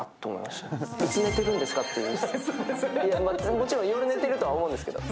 もちろん夜寝てるとは思うんですけど。